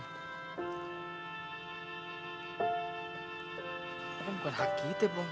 apa bukan hak kita pong